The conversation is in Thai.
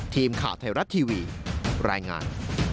ทีมข่าวไทยรัฐทีวีรายงาน